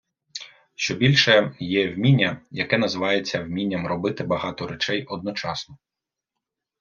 Щобільше, є вміння, яке називається вмінням робити багато речей одночасно.